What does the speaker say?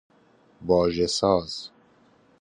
واژه ساز